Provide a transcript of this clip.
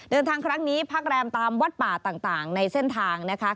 เดินทางครั้งนี้พักแรมตามวัดป่าต่างในเส้นทางนะคะ